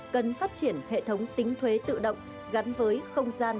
cần phát triển hệ thống tính thuế tự động gắn với không gian